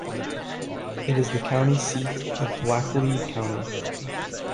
It is the county seat of Laclede County.